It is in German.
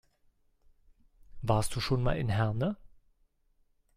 Warst du schon mal in Herne?